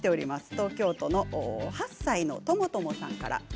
東京都の８歳の方からです。